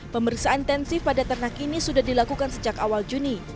pemeriksaan intensif pada ternak ini sudah dilakukan sejak awal juni